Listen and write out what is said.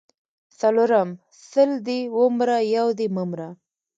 څلرم:سل دي ومره یو دي مه مره